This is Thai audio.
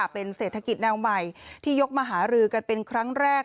เป็นเศรษฐกิจแนวใหม่ที่ยกมหารือกันเป็นครั้งแรก